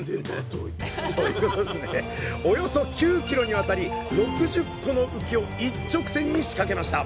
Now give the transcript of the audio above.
およそ９ｋｍにわたり６０個の浮きを一直線に仕掛けました